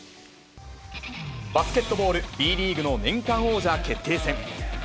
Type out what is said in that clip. バスケットボール、Ｂリーグの年間王者決定戦。